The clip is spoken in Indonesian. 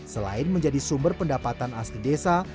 selain menjadi sumber pendapatan asli desa